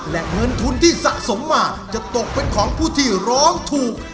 ทุนทุนสะสมมาจะตกเป็นของผู้ที่ร้องถูก